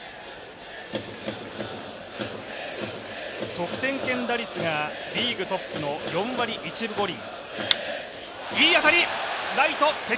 得点圏打率がリーグトップの４割１分５厘。